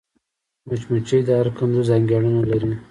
مچمچۍ د هر کندو ځانګړېندنه لري